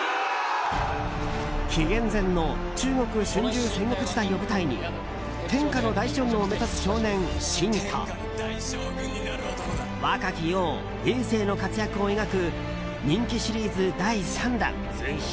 紀元前の中国春秋戦国時代を舞台に天下の大将軍を目指す少年・信と若き王・えい政の活躍を描く人気シリーズ第３弾。